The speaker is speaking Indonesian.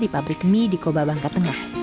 di pabrik mie di koba bangka tengah